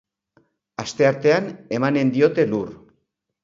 Asteartean emanen diote lur.